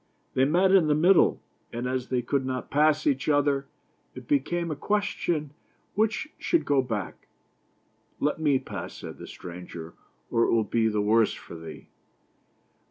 They met in the middle, and as they could not pass each other, it became a question which should go back. " Let me pass," said the stranger, " or it will be the worse for thee."